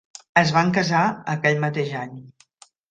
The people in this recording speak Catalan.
Es van casar aquell mateix any.